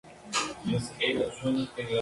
Era hermano del actor Marcos Zucker.